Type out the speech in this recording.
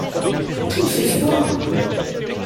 Qu’il fait froid !